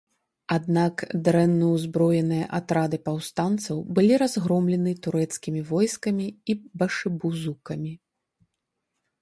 Аднак дрэнна ўзброеныя атрады паўстанцаў былі разгромлены турэцкімі войскамі і башыбузукамі.